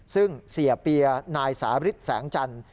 ซึ่งเสียเปียนายสาริทแสงจันทร์